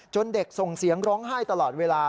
เด็กส่งเสียงร้องไห้ตลอดเวลา